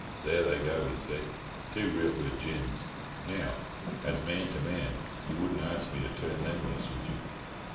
"There they go," he said. "Two real good gins. Now, as man to man, you wouldn't arst me to turn them loose, would you?"